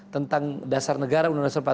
tentang dasar negara